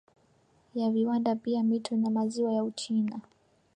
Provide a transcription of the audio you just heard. Ya viwanda pia mito na maziwa ya Uchina